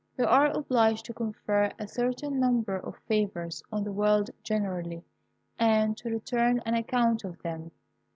We are obliged to confer a certain number of favours on the world generally, and to return an account of them.